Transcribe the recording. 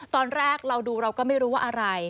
ตอนแรกเราดูเราก็ไม่รู้ว่าอะไร